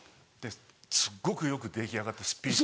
すっごくよく出来上がったスピーチ。